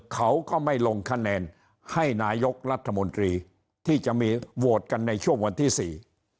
เขาก็ไม่ลงคะแนนให้นายกรัฐมนตรีที่จะมีโหวตกันในช่วงวันที่สี่